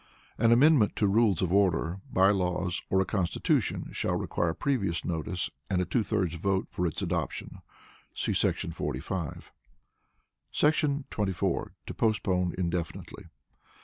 An Amendment to Rules of Order, By Laws or a Constitution shall require previous notice and a two thirds vote for its adoption [see § 45]. 24. To Postpone Indefinitely.